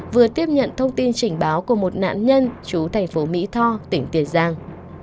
vừa tiếp nhận thông tin chỉnh báo của một nạn nhân trú tp mỹ tho tỉnh tiền giang